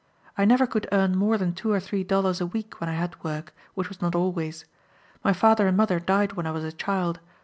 I never could earn more than two or three dollars a week when I had work, which was not always. My father and mother died when I was a child.